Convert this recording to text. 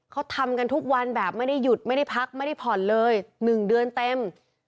เขาทำกันทุกวันแบบไม่ได้หยุดไม่ได้พักไม่ได้ผ่อนเลย๑เดือนเต็ม